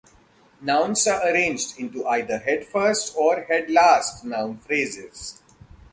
Nouns are arranged into either head-first or head-last noun phrases.